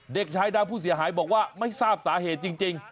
เด็กชายดำผู้เสียหายบอกว่าไม่ทราบสาเหตุจริง